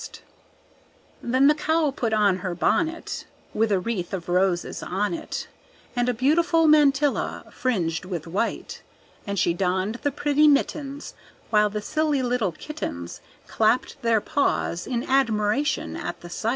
Then the Cow put on her bonnet With a wreath of roses on it, And a beautiful mantilla fringed with white; And she donned the pretty mittens, While the silly little kittens Clapped their paws in admiration at the sight.